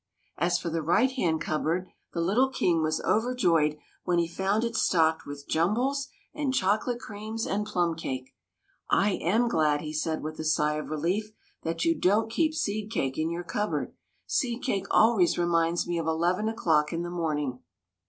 As for the right hand cupboard, the little King was overjoyed when he found it stocked with jumbles and chocolate creams and plum cake. " I am glad," he said with a sigh of relief, "that you don't keep seed cake in your cup board. Seed cake always reminds me of eleven o'clock in the morning."